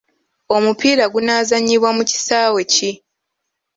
Omupiira gunaazanyibwa mu kisaawe ki?